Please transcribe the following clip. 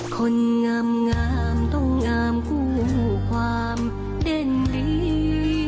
คนงามต้องงามคู่ความเด่นดี